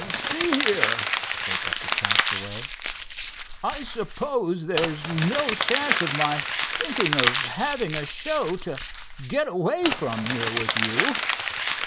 "See here," spoke up the castaway; "I suppose there's no chance of my thinking of having a show to get away from here with you?"